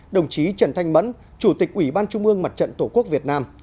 đồng chí trần thanh mẫn chủ tịch ủy ban trung ương mặt trận tổ quốc việt nam